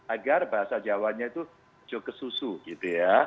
agar bahasa jawanya itu cukup kesusu gitu ya